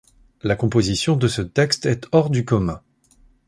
La composition de ce texte est hors du commun.